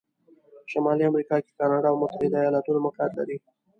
شمالي امریکا کې کانادا او متحتد ایالتونه موقعیت لري.